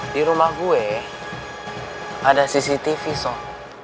di rumah gue ada cctv sok